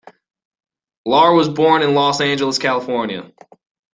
Lohr was born in Los Angeles, California.